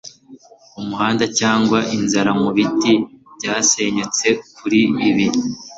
umuhanda cyangwa inzara mu biti byasenyutse kuri ibi